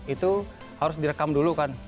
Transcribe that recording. itu harus direkam dulu kan